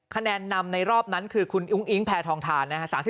คะแนนนำในรอบนั้นคือคุณอุ้งอิ๊งแพทองทานนะฮะ